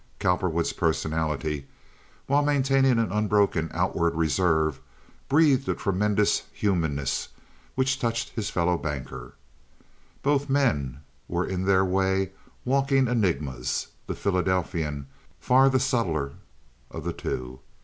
Cowperwood's personality, while maintaining an unbroken outward reserve, breathed a tremendous humanness which touched his fellow banker. Both men were in their way walking enigmas, the Philadelphian far the subtler of the two.